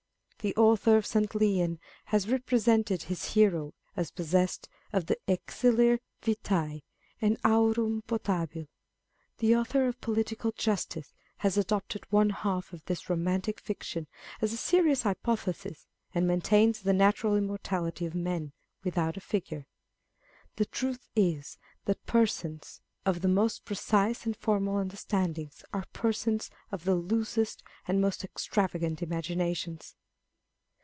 The Author of St. Leon has represented his hero as possessed of the elixir vitce and aurum potabile. The Author of the Political Justice has adopted one half of this romantic fiction as a serious hypothesis, and maintains the natural immortality of man, without a figure. The truth is, that persons of the most precise and formal understandings are persons of the loosest and most extravagant imaginations.